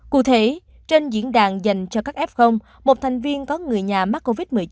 cụ thể trên diễn đàn dành cho các f một thành viên có người nhà mắc covid một mươi chín